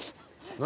何？